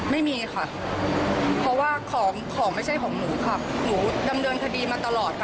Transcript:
ไม่มีค่ะเพราะว่าของของไม่ใช่ของหนูค่ะหนูดำเนินคดีมาตลอดค่ะ